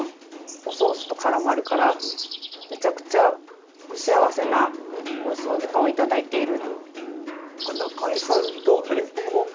おソースと絡まるからめちゃくちゃ幸せな時間を頂いている。